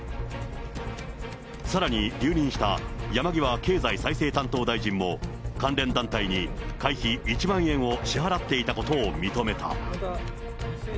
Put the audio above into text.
さらに留任した山際経済再生担当大臣も、関連団体に会費１万円を支払っていたことを認めた。